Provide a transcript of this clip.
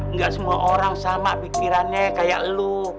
nggak semua orang sama pikirannya kayak lu